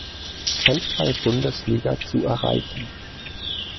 Handball-Bundesliga zu erreichen.